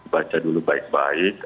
baca dulu baik baik